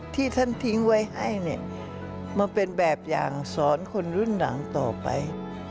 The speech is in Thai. ที่ท่านทิ้งไว้ให้มาเป็นแบบอย่างสอนคนรุ่นหลังต่อไป